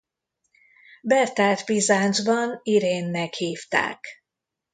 Bertát Bizáncban Irénnek hívták.